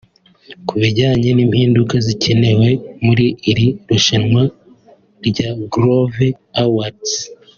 Ku bijyanye n’impinduka zikenewe muri iri rushanwa rya Groove Awards